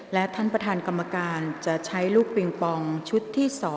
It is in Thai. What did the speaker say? และท่านประธานกรรมการจะใช้ลูกปิงปองชุดที่๒